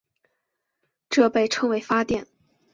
这被称为发电。